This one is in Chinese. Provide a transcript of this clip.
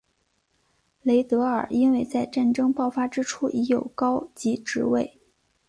雷德尔因为在战争爆发之初已有高级职位。